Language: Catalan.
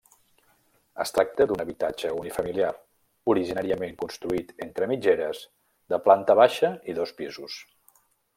Es tracta d'un habitatge unifamiliar, originàriament construït entre mitgeres, de planta baixa i dos pisos.